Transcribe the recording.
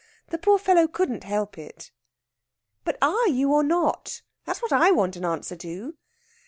The poor fellow couldn't help it." "But are you, or not? That's what I want an answer to."